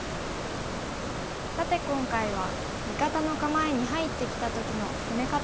さて今回は味方の構えに入ってきた時の攻め方を学びました。